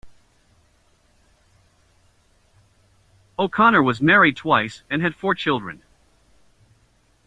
O'Connor was married twice and had four children.